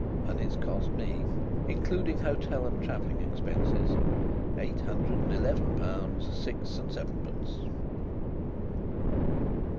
And it's cost me, including hotel and travelling expenses, eight hundred and eleven pounds six and seven pence."